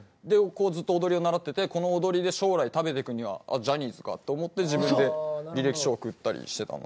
ずっと踊りを習っててこの踊りで将来食べてくにはジャニーズかと思って自分で履歴書送ったりしてた。